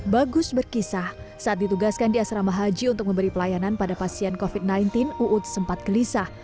bagus berkisah saat ditugaskan di asrama haji untuk memberi pelayanan pada pasien covid sembilan belas uud sempat gelisah